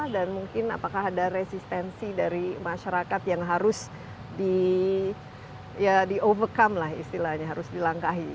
dan mungkin apakah ada resistensi dari masyarakat yang harus di overcome lah istilahnya harus dilangkahi